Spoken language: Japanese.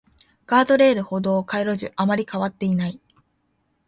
ガードレール、歩道、街路樹、あまり変わっていない